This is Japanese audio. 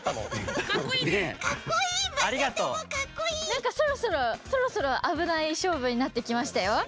なんかそろそろそろそろあぶないしょうぶになってきましたよ。